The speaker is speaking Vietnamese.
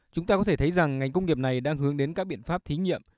chúng ta có thể thấy rằng ngành công nghiệp này đang hướng đến các biện pháp thí nghiệm